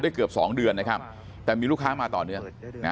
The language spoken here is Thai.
เกือบสองเดือนนะครับแต่มีลูกค้ามาต่อเนื่องนะ